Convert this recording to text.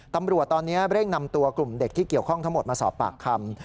ตำรวจตอนนี้เร่งนำตัวกลุ่มเด็กที่เกี่ยวข้องทั้งหมดมาสอบปากคำ